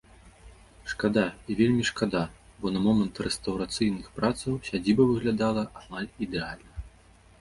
Шкада і вельмі шкада, бо на момант рэстаўрацыйных працаў сядзіба выглядала амаль ідэальна.